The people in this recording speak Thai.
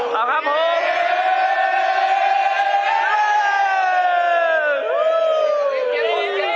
สัตว์